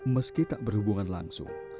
meski tak berhubungan langsung